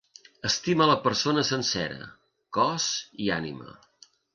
Estima la persona sencera, cos i ànima.